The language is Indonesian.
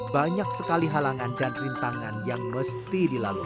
banyak sekali halangan dan rintangan yang mesti dilalui